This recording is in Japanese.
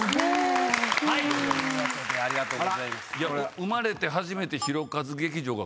生まれて初めて。